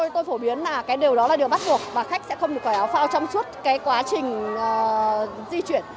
tôi phổ biến là cái điều đó là điều bắt buộc và khách sẽ không được quẩy áo phao trong suốt cái quá trình di chuyển